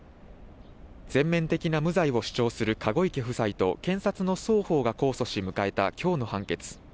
全面的な無罪を主張する籠池夫妻と、検察の双方が控訴し、迎えたきょうの判決。